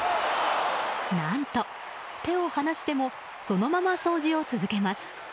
何と、手を放してもそのまま掃除を続けます。